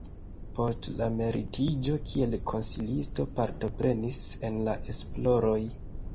Post la emeritiĝo kiel konsilisto partoprenis en la esploroj.